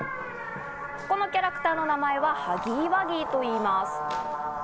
このキャラクターの名前はハギーワギーといいます。